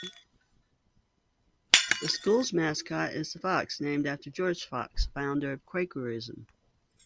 The school's mascot is the Fox, named after George Fox, the founder of Quakerism.